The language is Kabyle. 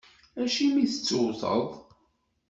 Acimi i tt-tewwteḍ?